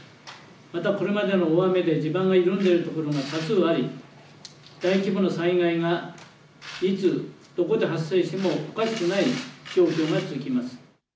またこれまでの大雨で地盤が緩んでいる所が多数あり、大規模な災害がいつどこで発生してもおかしくない状況が続きます。